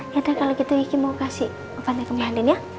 ya udah kalau gitu ki mau kasih obatnya ke mbak andien ya